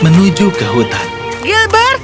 menuju ke hutan gilbert